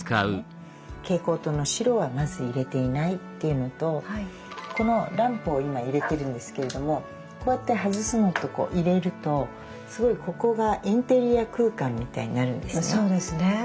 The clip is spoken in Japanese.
蛍光灯の白はまず入れていないっていうのとこのランプを今入れてるんですけれどもこうやって外すのとこう入れるとすごいここがインテリア空間みたいになるんですね。